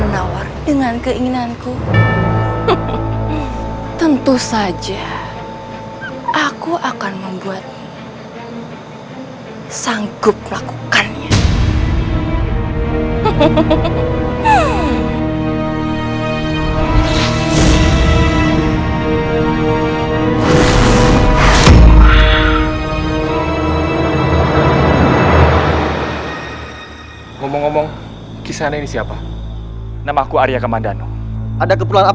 jangan sampai kabur